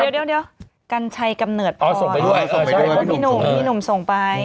เดี๋ยวกัญชัยกำเนิดพอพี่หนุ่มส่งไป